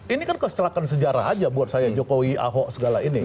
ini kan kecelakaan sejarah aja buat saya jokowi ahok segala ini